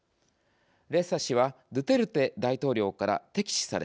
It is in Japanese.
レッサ氏はドゥテルテ大統領から敵視され